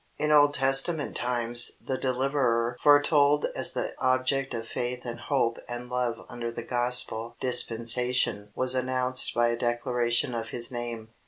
In Old Testament times the Deliverer foretold as the object of faith and hope and love under the Gospel Dispensation was announced by a declaration of His name.